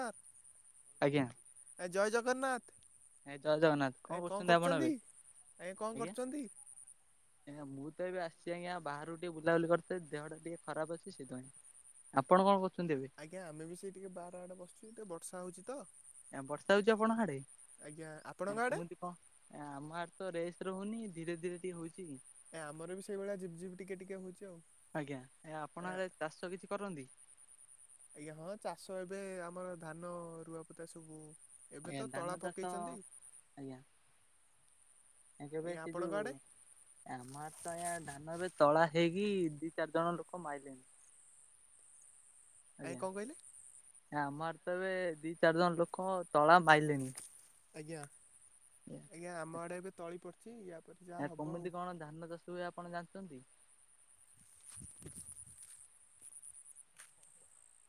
ଆଁ। ଆଜ୍ଞା ଏ ଜୟ ଜଗନ୍ନାଥ ଏ ଜୟ ଜଗନ୍ନାଥ କଣ ଏ କଁ କରୁଛନ୍ତି ଆପଣ ଏବେ? କରୁଚନ୍ତି? ଆଜ୍ଞା କଁ କରୁଚନ୍ତି? ଏ ମୁଁ ତ ଏବେ ଆସିଛି ଆଜ୍ଞା ବାହାରୁ ଟିକେ ବୁଲାବୁଲି କରୁଥିଲି ଦେହ ଟା ଟିକେ ଖରାପ ଅଛି ତ ସେଇଥିପାଇଁ। ଆପଣ କଣ କରୁଚନ୍ତି ଏବେ? ଆଜ୍ଞା ଆମେ ବି ସେଇ ଟିକେ ବାହାର ଆଡେ ବସଛୁ ଟିକେ ବର୍ଷା ହଉଚି ତ। ଆ ବର୍ଷା ହଉଚି ଆପଣ ହାଡେ ଆଜ୍ଞା ଆପଣଙ୍କ ଆ ଆଡ଼େ କମୁଚି କଁ? ଆ ଆମ ଆଡେ ତ ରେସ୍ ରହୁନି ଧୀରେ ଧୀରେ ଟିକେ ହଉଚି କି? ଏ ଆମର ବି ସେଇଭଳିଆ ଝିପ୍ ଝିପ୍ ଟିକେ ଟିକେ ହଉଚି ଆଉ। ଆଜ୍ଞା ଏ ଆପଣ ଚାଷ କିଛି କରନ୍ତି? ଆଜ୍ଞା ହଁ ଚାଷ ଏବେ ଆମର ଧାନ ରୁଆପୋତା ସବୁ। ଏବେ ଆଜ୍ଞା ତ ଧାନ ତଳା ଚାଷ ପକେଇଚନ୍ତି। ଆଜ୍ଞା ଏ ଯେବେ ସେଇ ଯୋଉ ଏ ଆମ ଆଡେ ତ ଆଜ୍ଞା ଧାନ ଏବେ ତଳା ହେଇକି ଦି ଚାରି ଜଣ ଲୋକ ମାଇଲେଣି। ଆଜ୍ଞା କଣ କହିଲେ ଏ ଆମର ତ ଏବେ ଦି ଚାରି ଜଣ ଲୋକ ତଳା ମାଇଲେଣି। ଆଜ୍ଞା ଆଜ୍ଞା ଆମ ଆଡେ ଏବେ ତଳି ପଡିଛି ୟା ପରେ ଚେ ଆ କମିତି କଣ ଧାନ ଚାଷ ହୁଏ ଆପଣ ଜାଣିଚନ୍ତି?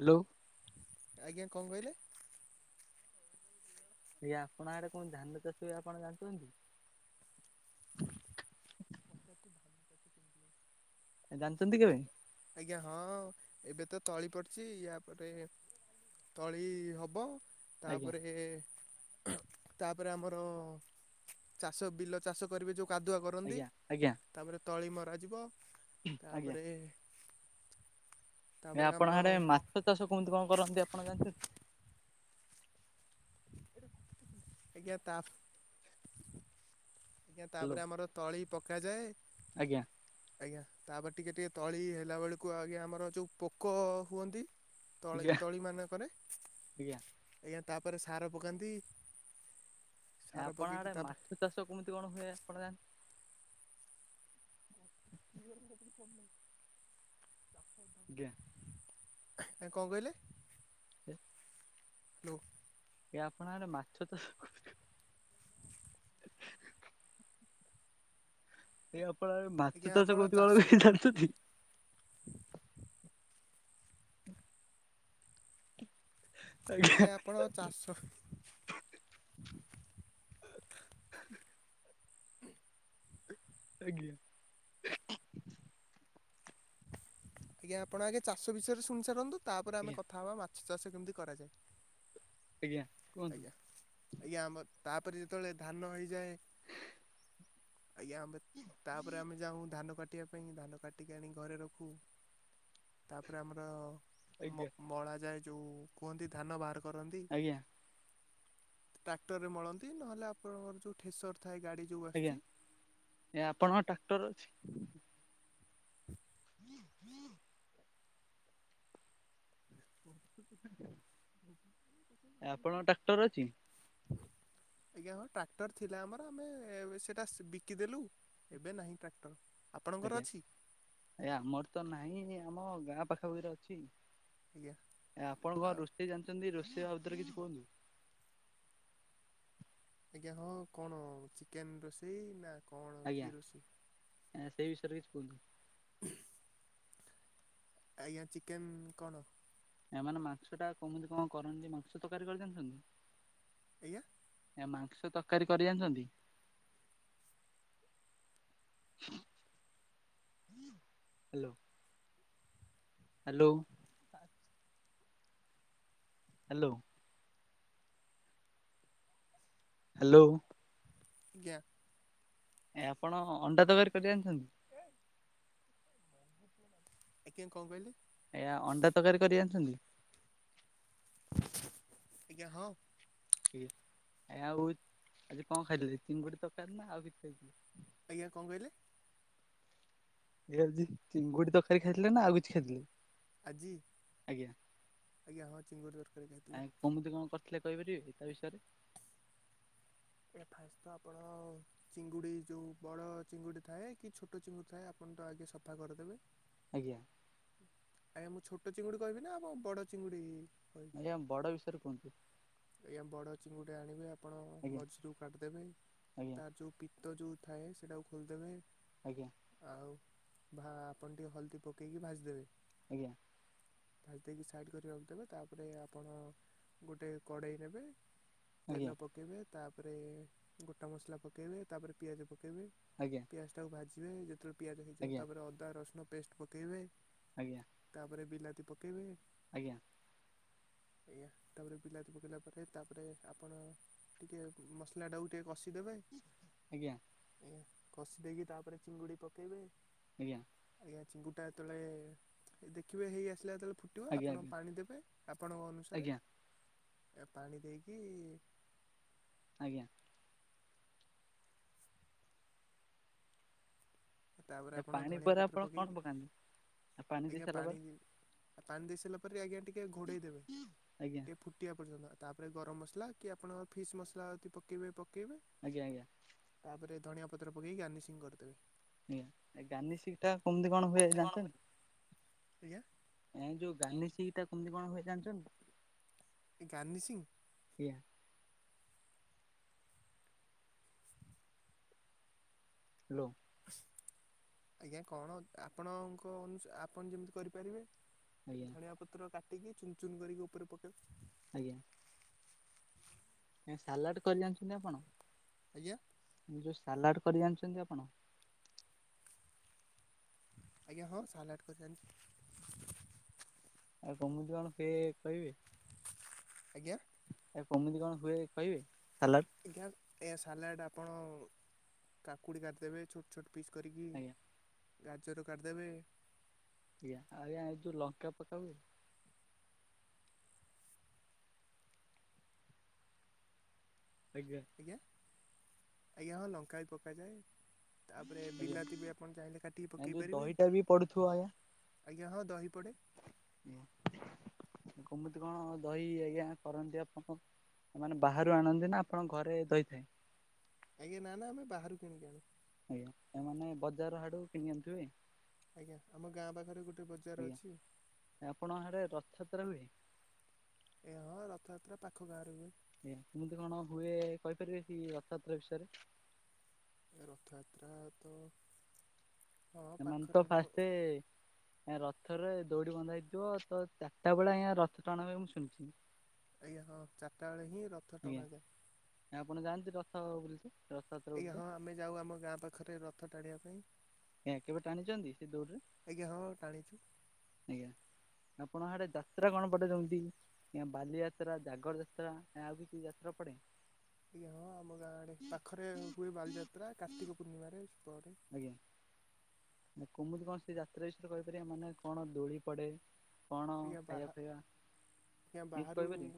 ହାଲୋ। ଆଜ୍ଞା କଁ କହିଲେ? ଆଜ୍ଞା ଆପଣ ଆଡେ କଁ ଧାନ ଚାଷ ହୁଏ ଆପଣ ଜାଣିଚନ୍ତି? ଜତି ଧା ଜାନଚନ୍ତି କେବେ? ଆଜ୍ଞା ହଁ ଏବେ ତ ତଳି ପଡିଚି ୟା ପରେ ତଳି ହବ ଆଜ୍ଞା ତାପରେ ତାପରେ ଆମର ଚାଷ ବିଲ ଚାଷ କରିବେ ଯଉଁ କାଦୁଆ କର କରନ୍ତି ଆଜ୍ଞା ଆଜ୍ଞା ତାପରେ ତଳି ମରା ଯିବ ଆଜ୍ଞା ତାପରେ ଏ ତାପରେ ଆପଣଙ୍କ ଆମର ଆଡେ ମାଛ ଚାଷ କମିତି କଁ କରନ୍ତି ଆପଣ ଜାଣିଚନ୍ତି? ଆଜ୍ଞା ତାଫ୍ ଆଜ୍ଞା ହ୍ୟାଲୋ ତାପରେ ଆମର ତଳି ପକାଯାଏ। ଆଜ୍ଞା। ଆଜ୍ଞା ତାପରେ ଟିକେ ଟିକେ ତଳି ହେଲା ବେଳକୁ ଆଜ୍ଞା ଆମର ଯୋଉ ପୋକ ହୁଅନ୍ତି। ତଳି ଆଜ୍ଞା ତଳି ମାନଙ୍କରେ। ଆଜ୍ଞା ତାପରେ ସାର ପକାନ୍ତି। ଏ ସାର ଆପଣ ପକେଇକି ଆଡେ ତାପରେ ମାଛ ଚାଷ କେମିତି କଣ ହୁଏ ଆପଣ ଜାଣି [inaudible] ଆଜ୍ଞା। କଁ କହିଲେ। ହେ। ହ୍ୟାଲୋ। ଏ ଆପଣଙ୍କ ଅଡେ ମାଛ ତ। ଏଇ ଆପଣ ଆଡେ ଆଜ୍ଞା ମାଛ ଚାଷ ଆପଣ କରୁ [inaudible] ଜାଣିଛନ୍ତି। ଆଜ୍ଞା ଆପଣଙ୍କ ଚାସ। ଆଜ୍ଞା। ଆଜ୍ଞା ଆପଣ ଆଗେ ଚାଷ ବିଷୟରେ ଶୁଣି ସାରନ୍ତୁ ତାପରେ ଆମେ ଆଜ୍ଞା କଥା ହେବା ମାଛ ଚାଷ କେମିତି କରାଯାଏ। ଆଜ୍ଞା। କୁହନ୍ତୁ ଆଜ୍ଞା ଆଜ୍ଞା ଆମ ତାପରେ ଯେତେବେଳେ ଧାନ ହୋଇଇଯାଏ। ଆଜ୍ଞା ଆମେ ତାପରେ ଆମେ ଯାଉ ଧାନ କାଟି କଟିବା ପାଇଁ ଧାନ କାଟିକି ଆଣି ଘରେ ରଖୁ ତାପରେ ଆମର। ଆଜ୍ଞା ମଳା ଯାଏ ଯୋଉ କୁହନ୍ତି ଧାନ ବାହାର କରନ୍ତି। ଆଜ୍ଞା। ଟ୍ରାକ୍ଟର ରେ ମଳନ୍ତି ନହେଲେ ଆପଣଙ୍କର ଯୋଉ ଠେସର ଥାଏ ଗାଡି। ଆଜ୍ଞା ଏ ଆପଣଙ୍କ ଟ୍ରାକ୍ଟର ଅଛି। ହୁଁ। ହ ହ। ଆପଣଙ୍କ ଟ୍ରାକ୍ଟର ଅଛି। ଆଜ୍ଞା ହଁ ଟ୍ରାକ୍ଟର ଥିଲା ଆମର ଆମେ ସେଟା ବିକିଦେଲୁ। ଏବେନାହିଁ ଟ୍ରାକ୍ଟର। ଆପଣଙ୍କର ଆଜ୍ଞା ଅଛି ଆଜ୍ଞା ଆମରତ ନାହିଁ ଆମ ଗାଁ ପାଖା ପାଖିରେ ଅଛି। ଆଜ୍ଞା ଏ ଆପଣ ଘଣ ଆଉ ରୋଷେଇ ଜାଣିଛନ୍ତି ରୋଷେଇବାଦରେ କିଛି କୁହନ୍ତୁ। ଆଜ୍ଞା ହଁ କଣ ଚିକେନ୍ ରୋଷେଇ ନା କଣ କି ଆଜ୍ଞା ରୋଷେଇ ସେଇବିଷୟରେ କିଛି କହୁନ୍ତୁ। [inaudible] ଆଜ୍ଞା ଚିକେନ୍ କଣ? ଏମାନେ ମାଛ ଟା କେମିତି କଣ କରନ୍ତି ମାଂସ ତରକାରୀ କରିଜାଣିଛନ୍ତି। ଆଜ୍ଞା। ଏ ମାଂସ ତରକାରୀ କରି ଜାଣିଛନ୍ତି। ହ୍ୟାଲୋ। ହ୍ୟାଲୋ। ପାସ। ହ୍ୟାଲୋ। ହ୍ୟାଲୋ। ଆଜ୍ଞା। ଏ ଆପଣ ଅଣ୍ଡା ତକାରୀକରି ଯାଣିଛନ୍ତି। ଆଜ୍ଞା କଁ କହିଲେ। ଆଜ୍ଞା ଅଣ୍ଡା ତରକାରୀ କରି ଆଣିଛନ୍ତି। ଆଜ୍ଞା ହଁ। ଆ ଆଉ ଆଜି କଣ ଖାଇଦଥିଲେ ଚିଙ୍ଗୁଡ଼ି ତରକାରୀ ନା ଆଉ କିଛି ଖାଇ ଥିଲେ। ଆଜ୍ଞା କଣ କହିଲେ? ଏଇ ଆଜି ଚିଙ୍ଗୁଡି ତରକାରୀ ଖାଇଥିଲେ ନା ଆଉ କିଛି ଖାଇଥିଲେ। ଆଜି। ଆଜ୍ଞା ଆଜ୍ଞା ହଁ ଚିଙ୍ଗୁଡ଼ି ତରକାରୀ ଖାଇଥିଲୁ ଆ କେମିତି କଣ କରିଥିଲେ କହିପାରିବେ ତା ବିଷୟରେ? ଏୟା ଫାସ୍ ତ ଆପଣ ଚିଙ୍ଗୁଡି ଯୋଉ ବଡ ଚିଙ୍ଗୁଡି ଥାଏ କି ଛୋଟ ଚିଙ୍ଗୁଡି ଥାଏ ଆପଣ ତ ଆଗେ ସଫା କରିଦେବେ। ଆଜ୍ଞା। ଆଜ୍ଞା ମୁଁ ଛୋଟ ଚିଙ୍ଗୁଡି କହିବି ନା ଅମ ବଡ ଚିଙ୍ଗୁଡି କହି ଆଜ୍ଞା ବଡ ବିଷୟରେ କୁହନ୍ତୁ। ଆଜ୍ଞା ବଡ ଚିଙ୍ଗୁଡି ଆଣିବେ ଆପଣ ଆଜ୍ଞା ମଝିରୁ କାଟିଦେବେ ଆଜ୍ଞା ତାର ଯୋଉ ପି ତ ଯୋଉ ଥାଏ ସେଇଟାକୁ ଖୋଲିଦେବେ। ଆଜ୍ଞା। ଆଉ ଭା ଆପଣ ଟିକେ ହଳଦୀ ପକେଇକି ଭାଜିଦେବେ। ଆଜ୍ଞା। ଭାଜି ଦେଇକି ସାଇଡ଼୍ କରି ରଖିଦେବେ। ତାପରେ ଆପଣ ଗୋଟେ କଡେଇ ନେବେ ଆଜ୍ଞା ତେଲ ପକ ପକେଇବେ। ତାପରେ ଗୋଟା ମସଲା ପକେଇବେ ତାପରେ ପିଆଜ ପକେଇବେ। ଆଜ୍ଞା। ପିଆଜ ଟାକୁ ଭାଜିବେ। ଯେତେବେଳେ ପିଆଜ ହେଇଯିବ ଆଜ୍ଞା ତାପରେ ଅଦା ରସୁଣ ପେଷ୍ଟେ ପକେଇବେ। ଆଜ୍ଞା। ତାପରେ ବିଲାତି ପକେଇବେ। ଆଜ୍ଞା। ଏୟା, ତାପରେ ବିଲାତି ପକେଇଲା ପରେ ତାପରେ ଆପଣ ଟିକେ ମସଲା ଟାକୁ ଟିକେ କଷିଦେବେ। ଆଜ୍ଞା। ଆଜ୍ଞା କଷି ଦେଇକି ତାପରେ ଚିଙ୍ଗୁଡି ପକେଇବେ। ଆଜ୍ଞା। ଆଜ୍ଞା ଚିଙ୍ଗୁଡ ଟା ଯେତେବେଳେ ଦେଖିବେ ହେଇ ଆସିଲା ଯେତେବେଳେ ଫୁ ଆଜ୍ଞା ଟିବ ଆଜ୍ଞା ଆଜ୍ଞା ଆପଣ ପାଣି ଦେବେ, ଆପଣଙ୍କ ଅନୁସାରେ। ଆଜ୍ଞା ଆଜ୍ଞା ଏ ପାଣି ଦେଇକି ଆଜ୍ଞା। ତାପରେ ଏ ଆପଣ ପାଣି ଧଣିଆ ପରେ ପତ୍ର ଆପଣ କଣ ପକାଇକି ପକାନ୍ତି? ପାଣି ଦେଇ ସାରିଲା ପରେ? ପାଣି ଦେଇ ସାରିଲା ପରେ ଆଜ୍ଞା ଟିକେ ଘୋଡ଼େଇ ଦେବେ। ଆଜ୍ଞା ଟିକେ ଫୁଟିବା ପର୍ଯ୍ୟନ୍ତ ତାପରେ ଗରମ ମସଲା କି ଆପଣଙ୍କର ଫିସ୍ ମସଲା ଯଦି ପକେଇବେ ପକେଇବେ। ଆଜ୍ଞା ଆଜ୍ଞା। ତା ପରେ ଧଣିଆ ପତ୍ର ପକେଇକି ଗାର୍ନିସିଂ କରିଦେବେ। ଆଜ୍ଞ ଏ ଗାର୍ନିସିଂ ଟା କେମିତି କଣ ହୁଏ ଜାଣିଚନ୍ତି? ଆଜ୍ଞା? ଏ ଯୋଉ ଗାର୍ନିସିଂ ଟା କେମିତି କଣ ହୁଏ ଜାଣିଚନ୍ତି? ଗାର୍ନିସିଂ? ଆଜ୍ଞା। ହାଲୋ। ଆଜ୍ଞା କଣ ଆପଣଙ୍କ ଅନୁସା ଆପଣ ଯେମିତି କରିପାରିବେ। ଆଜ୍ଞା ଧଣିଆ ପତ୍ର କାଟିକି ଚୁନ ଚୁନ କରିକି ଉପରେ ପକେଇ ଆଜ୍ଞା। ଆଜ୍ଞା ସାଲାଡ କରି ଜାଣିଚନ୍ତି ଆପଣ? ଆଜ୍ଞା? ଯୋଉ ସାଲାଡ କରି ଜାଣିଚନ୍ତି ଆପଣ? ଆଜ୍ଞା ହଁ ସାଲାଡ କରି ଜାଣିଚି। ଆଉ କମୁଛି କଣ କେ କହିବେ। ଆଜ୍ଞା। ଆ କେମିତି କଣ ହୁଏ କହିବେ ସାଲଟ? ଆଜ୍ଞା ଏ ସାଲାଡ଼ ଆପଣ କାକୁଡ଼ି କାଟିଦେବେ। ଛୋଟ ଛୋଟ ପିସ୍ କରିକି ଆଜ୍ଞା ଗାଜର କାଟିଦେବେ। ଆଜ୍ଞ ଆଜ୍ଞା ଏ ଯୋଉ ଲଙ୍କା ପକାଉ। ଆଜ୍ଞା। ଆଜ୍ଞା। ଆଜ୍ଞା ହଁ ଲଙ୍କା ବି ପକାଯାଏ। ତାପରେ ଆଜ୍ଞା ବିଲାତି ବି ଆପଣ ଚାହିଁଲେ କାଟିକି ଏ ପକେଇ ଯୋଉ ପାରିବେ। ଦହିଟା ବି ପଡୁଥିବ ଆଜ୍ଞା ହଁ ଦହି ପଡେ। ଆଜ୍ଞା। କେମିତି କଣ ଦହି ଆଜ୍ଞା କରନ୍ତି ଆପଣ? ମାନେ ବାହାରୁ ଆଣନ୍ତି ନା ଆପଣ ଘରେ ଦହି ଥାଏ? ଆଜ୍ଞା ନା ନା ଆମେ ବାହାରୁ କିଣିକି ଆଣୁ। ଆଜ୍ଞା ଏ ମାନେ ବଜାର ଆଡୁ କିଣି ଆଣିଥିବେ। ଆଜ୍ଞା ଆମ ଗାଁ ପାଖରେ ଗୋଟେ ବଜାର ଆଜ୍ଞା ଅଛି। ଆପଣ ହାଡେ ରଥଯାତ୍ରା ହୁଏ? ଏ ହଁ ରଥଯାତ୍ରା ପାଖ ଗାଁ ରେ ହୁଏ। ଆଜ୍ଞା କେମିତି କଣ ହୁଏ, କହିପାରିବେ କି ରଥଯାତ୍ରା ବିଷୟରେ? ଏ ରଥଯାତ୍ରା ତ ହଁ ଏମାନେ ତ ପାଖରେ ହୁଅ ଫାଷ୍ଟେ ହଁ ରଥ ରେ ଦୌଡି ବନ୍ଧା ହେଇଥିବ ତ, ଚାରିଟା ବେଳେ ଆଁ ଏ ରଥ ଟଣା ହୁଏ ମୁଁ ଶୁଣିଚି। ଆଜ୍ଞା ହଁ ଚାରିଟା ବେଳେ ହିଁ ରଥ ଆଜ୍ଞା ଟଣାଯାଏ। ଆପଣ ଜାଣିନ୍ତି ରଥ ବୁଲିତେ ର ଆଜ୍ଞା ହଁ ଆମେ ଯାଉ ଆମ ଗାଁ ପାଖରେ ରଥ ଟାଣିବା ପାଇଁ। ଆଜ୍ଞା କେବେ ଟାଣିଛନ୍ତି ସେ ଦୌଡିରେ? ଆଜ୍ଞା ହଁ ଟାଣିଚି। ଆଜ୍ଞା ଆପଣ ଆଡେ ଯାତ୍ରା କଣ ପଡେ ଯେମିତି? ନା ବାଲିଯାତ୍ରା ଜାଗର ଯାତ୍ରା ନା ଆଉ କିଛି ଯାତ୍ରା ପଡେ? ଆଜ୍ଞା ହଁ ଆମ ଗାଁ ଆଡେ ପାଖରେ ହୁଏ ବାଲିଯାତ୍ରା କାର୍ତ୍ତିକ ପୂର୍ଣ୍ଣିମାରେ ସେ ପରେ। ଆଜ୍ଞା। କୁମିତି କଣ ସେ ଯାତ୍ରା ବିଷୟରେ କହିପାରିବେ ମାନେ କଣ ଦୋଳି ପଡେ? କଣ ଆଜ୍ଞା ଖାଇବା ବାହା ଫାଇବା ଆଜ୍ଞା ଏମିତି ବାହାରୁ, କହିପାରିବେ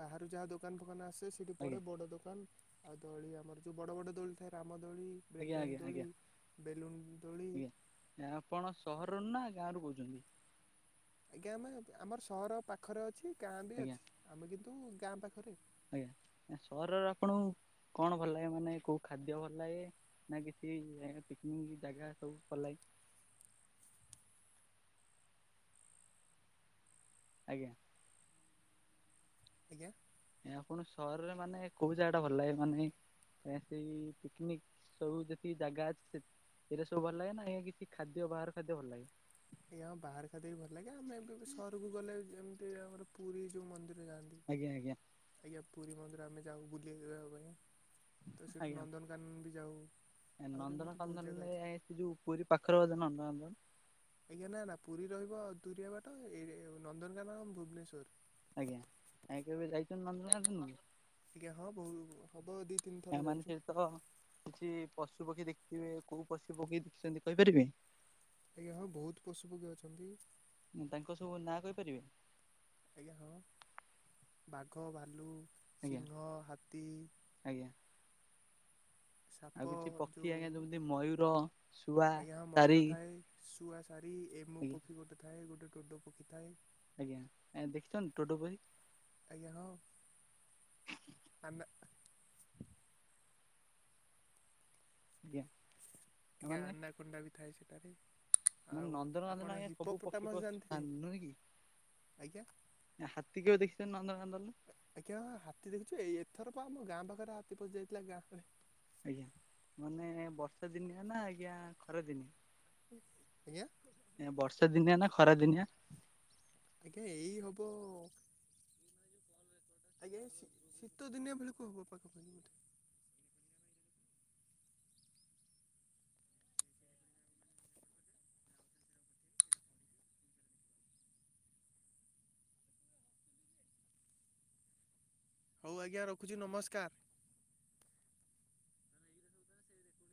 ବାହାରୁ ଯାହା ଦୋକାନ ଫୋକାନ ଆସେ ସେ ସେଠି ପଡେ ଆଜ୍ଞା ବଡ ଦୋକାନ, ଆଉ ଦଳି ଆମର ଯୋଉ ବଡ ବଡ ଦୋଳି ଥାଏ ରାମ ଦୋଳି। ଆଜ୍ଞା ବ୍ରେକ୍ଡ୍ୟାନ୍ସ ଆଜ୍ଞା ଆଜ୍ଞା ଦୋଳି ବେଲୁନୁ ଦୋଳି। ଆଜ୍ଞା। ଆପଣ ସହରରୁ ନା ଗାଁ ରୁ କୋଉଚନ୍ତି? ଆଜ୍ଞା ଆମେ ଆମର ସହର ପାଖରେ ଅଛି ଗାଁ ବି ଆଜ୍ଞା ଅଛି। ଆମେ କିନ୍ତୁ ଗାଁ ପାଖରେ। ଆଜ୍ଞା ସହର ରେ ଆପଣଙ୍କୁ କଣ ଭଲ ଲାଗେ, ମାନେ କୋଉ ଖାଦ୍ୟ ଭଲ ଲାଗେ? ନା କିଛି ଏ ପିକ୍ନିକ ଜାଗା ସବୁ ଭଲ ଲାଗେ? ଆଜ୍ଞା। ଆଜ୍ଞା। ଆପଣ ସହରରେ ମାନେ କୋଉ ଜାଗା ଟା ଭଲ ଲାଗେ ମାନେ ଆଁ ସେଇ ପିକନିକ ସବୁ ଯେତୀକି ଜାଗା ଅଛି ସେ ଏଇରା ସବୁ ଭଲାଗେ ନା କିଛି ଖାଦ୍ଯ ବାହାର ଖାଦ୍ୟ ଭଲ ଲାଗେ। ଆଜ୍ଞା ବାହାର ଖାଦ୍ଯ ବି ଭଲ ଲାଗେ। ଆମେ ଏବେ ସହରକୁ ଗଲେ ଏମିତି ଆମର ପୁରୀ ଯୋଉ ମନ୍ଦିର ଯାଆନ୍ତି। ଆଜ୍ଞା ଆଜ୍ଞା। ଆଜ୍ଞା ପୁରୀ ମନ୍ଦିର ଆମେ ଯାଉ ବୁଲେଇବା ପାଇଁ। ତ ସେଠୁ ଆଜ୍ଞା। ନନ୍ଦନକାନନ ବି ଯାଉ ଆହୁରି ଏମିତି ବହୁତ ଜାଗା ଅଛି। ଆଜ୍ଞା ସେ ଯୋଉ ପୁରୀ ପାଖରେ ବଧେ ନନ୍ଦ କାନ୍ଦନ। ଆଜ୍ଞା ନା ନା ପୁରୀ ରହିବ ଦୁରିଆ ବାଟ। ଏ ନନ୍ଦନକାନନ ଆମ ଭୁବନେଶ୍ୱର। ଆଜ୍ଞା। ଆ କେବେ ଯାଇଚନ୍ତି ନନ୍ଦନ କାନନ କୁ? ଆଜ୍ଞା ହଁ ବୋ ହବ ଦି ତିନି ଥର ତା ମାନେ ଯାଇଛୁ ସେଇଠି ତ କିଛି ପଶୁ, ପକ୍ଷୀ ଦେଖିଥିବେ। କୋଉ ପଶୁ, ପକ୍ଷୀ ଦେଖିଛନ୍ତି କହିପାରିବେ? ଆଜ୍ଞା। ହଁ ବହୁତ ପଶୁ, ପକ୍ଷୀ ଅଛନ୍ତି। ଉଁ ତାଙ୍କ ସବୁ ନାଁ କହିପାରିବେ? ଆଜ୍ଞା। ହଁ ବାଘ, ଭାଲୁ, ଆଜ୍ଞା ସିଂଘ, ହାତୀ। ଆଜ୍ଞା। ସାପ ଆଉ କିଛି ପକ୍ଷୀ ଯୋଉ ଆଜ୍ଞା ଯେମିତି ମୟୂର। ଶୁଆ ଆଜ୍ଞା ହଁ ମୟୂର ତାରି ଥାଏ, ଶୁଆ, ସାରି, ଏମୁ ଆଜ୍ଞା ପକ୍ଷୀ ଗୋଟେ ଥାଏ ଗୋଟେ ଡୋଡୋ ପକ୍ଷୀ ଥାଏ। ଆଜ୍ଞା ଏଁ ଦେଖିଛନ୍ତି ଡୋଡୋ ପକ୍ଷୀ। ଆଜ୍ଞା ହଁ ଆମେ। ଆଜ୍ଞା। [unintelligible] ମାନେ ଆନା କୁଣ୍ଡା ବି ଥାଏ ସେଠାରେ। ମାନେ ଆଉ ନନ୍ଦନକାନନ ଆପଣ ଆଜ୍ଞା ସବୁ ପକ୍ଷୀ ହିପୋପଟାମସ ଜାଣିଥିବେ ପଶୁଥାନ୍ତି ଆଜ୍ଞା। ଆ ହାତୀ କେବେ ଦେଖିଚନ୍ତି ନନ୍ଦ କାନ୍ଦନରେ? ଆଜ୍ଞା ହାତୀ ଦେଖୁଛୁ ଏଇ ଏଥର ପା ଆମ ଗାଁ ପାଖରେ ହାତୀ ପଶିଯାଇଥିଲା ଗାଁରେ। ଆଜ୍ଞା ମାନେ ବର୍ଷା ଦିନିଆ ନା ଆଜ୍ଞା ଖରା ଦିନେ। ଆଜ୍ଞା। ଏଁ ବର୍ଷା ଦିନିଆ ନା ଖରା ଦିନିଆ। ଆଜ୍ଞା ଏଇ ହବ। ଆଜ୍ଞା ଶୀ-ଶୀତ ଦିନିଆ ବେଳକୁ ହବ ପାଖ ପାଖି ବୋଧେ। ହଉ ଆଜ୍ଞା ରଖୁଛି ନମସ୍କାର।